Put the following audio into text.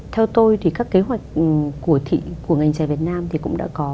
theo tôi thì các kế hoạch của ngành trẻ việt nam thì cũng đã có